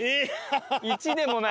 「１」でもない。